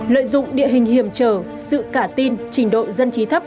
lợi dụng địa hình hiểm trở sự cả tin trình độ dân trí thấp